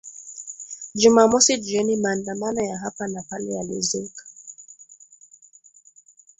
Jumamosi jioni maandamano ya hapa na pale yalizuka